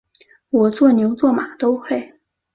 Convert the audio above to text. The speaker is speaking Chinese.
我做牛做马都会